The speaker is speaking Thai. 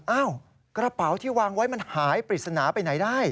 กระเป๋าที่วางไว้มันหายปริศนาไปไหนได้